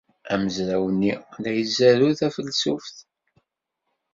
Amezraw-nni la izerrew tafelsuft.